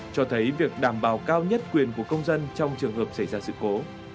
cho thấy việc đảm bảo cao nhất quyền của công dân trong trường hợp xảy ra sự cố